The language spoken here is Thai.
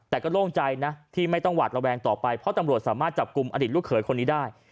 แต่ก็โล่งใจนะที่ไม่ต้องหวาดระแวงต่อไปเพราะตำรวจสามารถจับกลุ่มอดีตลูกเขยคนนี้ได้